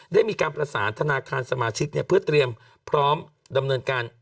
ได้มีการประสานธนาคารสมาชิกเพื่อเตรียมพร้อมดำเนินการ